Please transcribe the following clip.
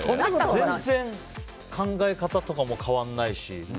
全然、考え方とかも変わんないし。